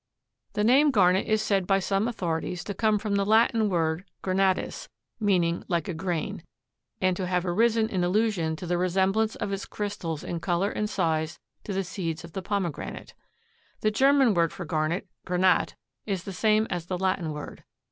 The name garnet is said by some authorities to come from the Latin word granatus, meaning like a grain, and to have arisen in allusion to the resemblance of its crystals in color and size to the seeds of the pomegranate. The German word for garnet, granat, is the same as the Latin word.